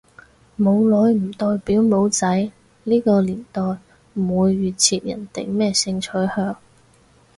冇女唔代表冇仔，呢個年代唔會預設人哋咩性取向